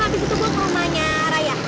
habis itu gue ke rumahnya raya